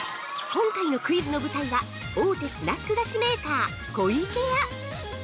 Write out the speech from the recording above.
◆今回のクイズの舞台は、大手スナック菓子メーカー「湖池屋」！